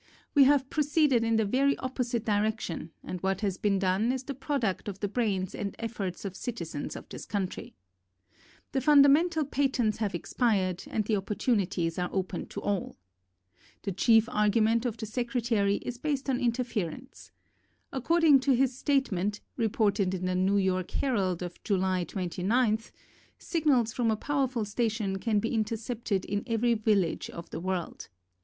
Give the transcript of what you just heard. We have proceeded in the very opposite direction and what has been done is the product of the brains and ef forts of citizens of this country. The fun damental patents have expired and the op portunities are open to all. The chief argu ment of the Secretary is based on interfer ence. According to his statement, reported in the New York Herald of July 29th, sig nals from a powerful station can be inter cepted in every village of the world.